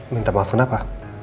minta maaf kenapa